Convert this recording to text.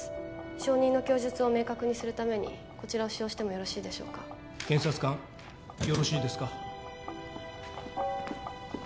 証人の供述を明確にするためにこれを使用してもよろしいですか・検察官よろしいですか？